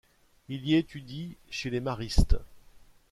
Il y étudie chez les maristes.